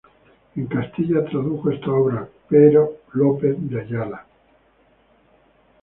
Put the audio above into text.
En Castilla tradujo esta obra Pero López de Ayala.